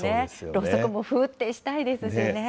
ろうそくもふーっとしたいですしね。